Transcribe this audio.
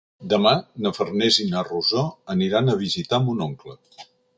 Demà na Farners i na Rosó aniran a visitar mon oncle.